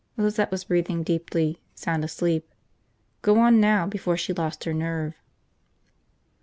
Lizette was breathing deeply, sound asleep. Go on now, before she lost her nerve.